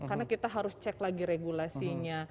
karena kita harus cek lagi regulasinya